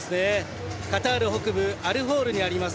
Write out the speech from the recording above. カタール北部アルホールにあります